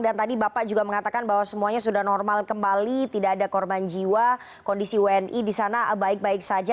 dan tadi bapak juga mengatakan bahwa semuanya sudah normal kembali tidak ada korban jiwa kondisi wni di sana baik baik saja